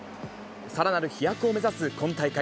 さらなる飛躍を目指す今大会。